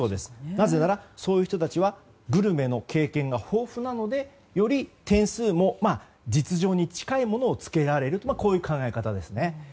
なぜならそういう人たちはグルメの経験が豊富なのでより点数も実情に近いものをつけられるこういう考え方ですね。